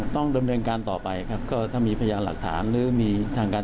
ต้องดำเนินการต่อไปครับก็ถ้ามีพยานหลักฐานหรือมีทางการ